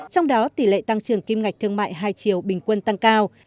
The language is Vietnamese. trong đó tỷ lệ tăng trưởng kim ngạch thương mại hai triệu bình quân tăng cao